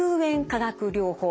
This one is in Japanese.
化学療法。